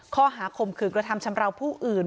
ข้อหาคงคือกระทำชำระว่าผู้อื่น